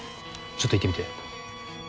ちょっと言ってみて。